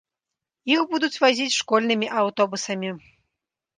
Іх будуць вазіць школьнымі аўтобусамі.